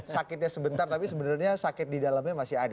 sebenarnya sakit di dalamnya masih ada